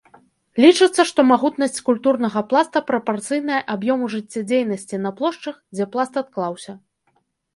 Лічыцца, што магутнасць культурнага пласта прапарцыйная аб'ёму жыццядзейнасці на плошчах, дзе пласт адклаўся.